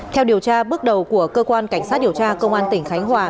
theo điều tra bước đầu của cơ quan cảnh sát điều tra công an tỉnh khánh hòa